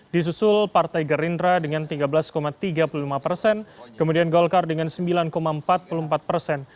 disusul partai gerindra dengan tiga belas tiga puluh lima persen kemudian golkar dengan sembilan empat puluh empat persen